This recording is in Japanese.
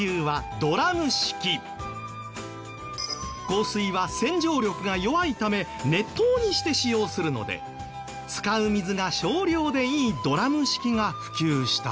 硬水は洗浄力が弱いため熱湯にして使用するので使う水が少量でいいドラム式が普及したそう。